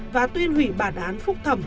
và tuyên hủy bản án phúc thẩm